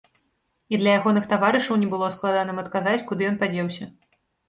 І для ягоных таварышаў не было складаным адказаць, куды ён падзеўся.